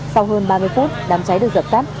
sau hơn ba mươi phút đám cháy được dập tắt